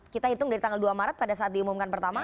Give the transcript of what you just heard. kita hitung dari tanggal dua maret pada saat diumumkan pertama